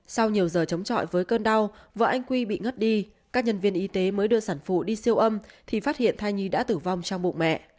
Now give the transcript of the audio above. sau nhiều giờ chống chọi với cơn đau vợ anh quy bị ngất đi các nhân viên y tế mới đưa sản phụ đi siêu âm thì phát hiện thai nhi đã tử vong trong bụng mẹ